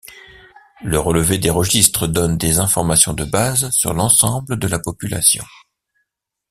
Le relevé des registres donne des informations de base sur l’ensemble de la population.